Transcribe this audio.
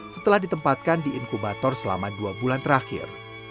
setelah ditempatkan di inkubator selama dua bulan terakhir